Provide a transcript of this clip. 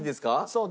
そう。